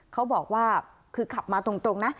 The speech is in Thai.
เขาบอกว่าคือขับมาตรงนะ